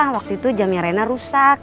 waktu itu jamnya reina rusak